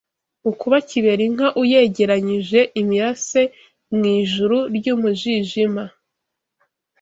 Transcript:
Ukuba kiberinka uyegeranyije Imirase mu ijuru ry’ umujijima